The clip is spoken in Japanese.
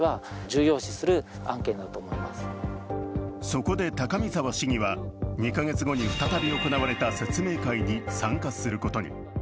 そこで高見澤市議は２か月後に再び行われた説明会に参加することに。